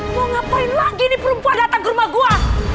mau ngapain lagi nih perempuan datang rumah gua